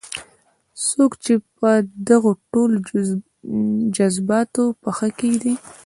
څوک چې په دغو ټولو جذباتو پښه کېږدي.